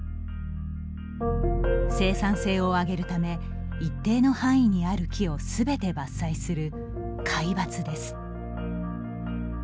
生産性を上げるため一定の範囲にある木をすべて伐採する皆伐です。